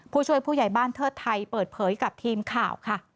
ผู้ช่วยผู้ใหญ่บ้านเทิดไทยเปิดเผยกับทีมข่าวค่ะ